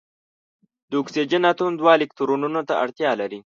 د اکسیجن اتوم دوه الکترونونو ته اړتیا لري.